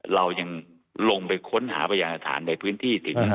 เรายังลงไปค้นหาประณานอธานในพื้นที่ถึง